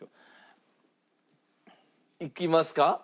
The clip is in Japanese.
いきますか？